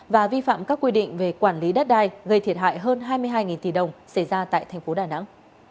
và vi phạm các quy định về quản lý đất đai gây thiệt hại hơn hai mươi hai tỷ đồng xảy ra tại tp đà nẵng